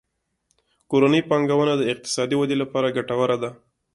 کورنۍ پانګونه د اقتصادي ودې لپاره ګټوره ده.